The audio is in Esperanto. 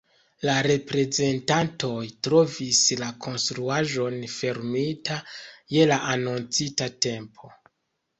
La reprezentantoj trovis la konstruaĵon fermita je la anoncita tempo.